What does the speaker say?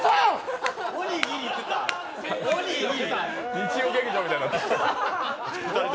日曜劇場みたいになってる。